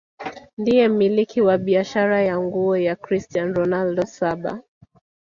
ndiye mmiliki wa biashara ya nguo ya cristian ronald saba